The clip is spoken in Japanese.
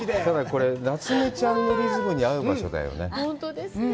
これなつめちゃんのリズムに合う場所よね。